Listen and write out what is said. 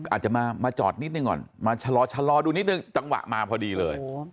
อาจจะมาจอดนิดหนึ่งก่อนมาชะลอดูนิดนึงจังหวะมาพอดีเลย